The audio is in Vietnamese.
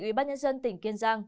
ủy ban nhân dân tỉnh kiên giang